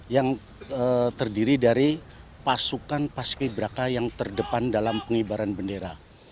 yang terdiri dari pasukan paski beraka yang terdepan dalam pengibaran bendera